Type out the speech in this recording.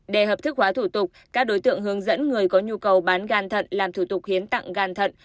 để hợp thức hóa thủ tục các đối tượng hướng dẫn người có nhu cầu bán gan thận làm thủ tục hiến tặng gan thận